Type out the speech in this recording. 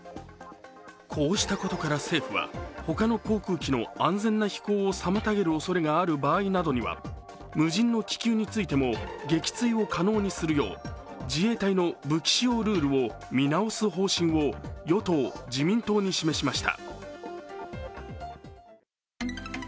こうしたことから政府は他の航空機の安全な飛行を妨げるおそれがある場合などには無人の気球についても撃墜を可能にするよう自衛隊の武器使用ルールを見直す方針を与党・自民党に示しました。